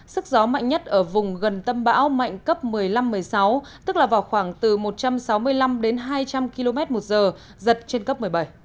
sức gió mạnh nhất ở vùng gần tâm bão mạnh cấp một mươi năm một mươi sáu tức là vào khoảng từ một trăm sáu mươi năm đến hai trăm linh km một giờ giật trên cấp một mươi bảy